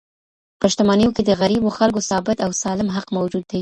په شتمنیو کي د غریبو خلګو ثابت او سالم حق موجود دی.